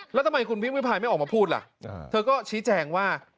แล้วทำไมคุณพิมพิพายไม่ออกมาพูดล่ะเธอก็ชี้แจงว่า